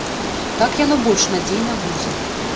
Так яно больш надзейна будзе.